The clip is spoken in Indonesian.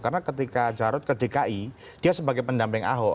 karena ketika jarut ke dki dia sebagai pendamping ahok